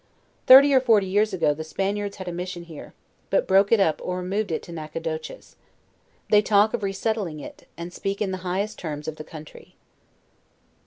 Thirty or forty years ago, the Spaniards had a mission here, but broke it up or removed it to Nacogdoches. They talk of re settling it, and speak in the highest terms of the country.